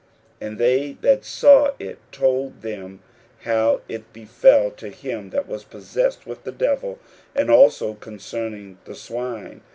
41:005:016 And they that saw it told them how it befell to him that was possessed with the devil, and also concerning the swine.